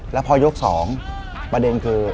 แล้วพอยก๒ประเด็นคือ